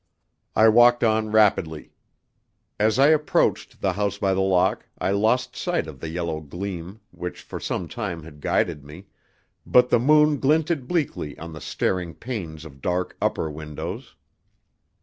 I walked on rapidly. As I approached the House by the Lock I lost sight of the yellow gleam which for some time had guided me, but the moon glinted bleakly on the staring panes of dark, upper windows.